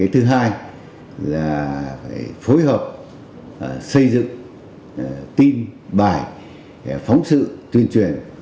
thứ hai là phải phối hợp xây dựng tin bài phóng sự tuyên truyền